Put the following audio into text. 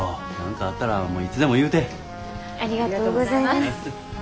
ありがとうございます。